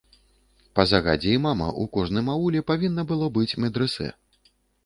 Па загадзе імама ў кожным ауле павінна было быць медрэсэ.